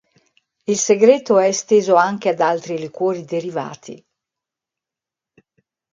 Il segreto è esteso anche ad altri liquori derivati.